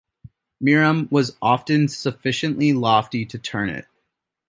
Miriam was often sufficiently lofty to turn it.